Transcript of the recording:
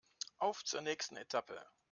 Auf zur nächsten Etappe!